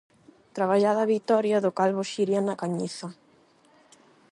Traballada vitoria do Calvo Xiria na cañiza.